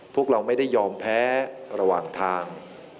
พวกเราไม่ได้ยอมแพ้ระหว่างทาง